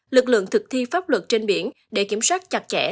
lực lượng thực thi pháp luật trên biển để kiểm soát chặt chẽ